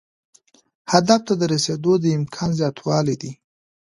هدف ته د رسیدو د امکان زیاتوالی دی.